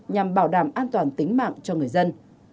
nhằm bảo đảm an toàn tính mạng cho người dân